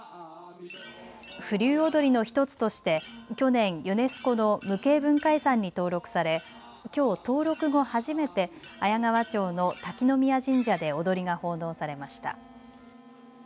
風流踊の１つとして去年ユネスコの無形文化遺産に登録され、きょう登録後、初めて綾川町の滝宮神社で踊りが奉納されました。